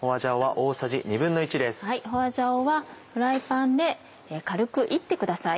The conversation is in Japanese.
花椒はフライパンで軽く炒ってください。